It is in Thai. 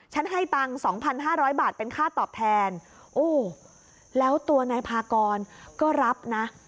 ฉันให้ตังค์สองพันห้าร้อยบาทเป็นค่าตอบแทนโอ้แล้วตัวนายพากรก็รับนะ